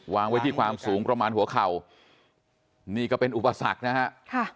วางไว้ที่ความสูงประมาณหัวเข่านี่ก็เป็นอุปสรรคนะฮะค่ะ